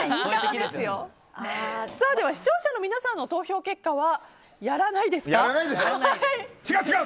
視聴者の皆さんの投票結果はやらないですか。